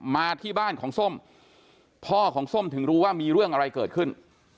มาที่บ้านของส้มพ่อของส้มถึงรู้ว่ามีเรื่องอะไรเกิดขึ้น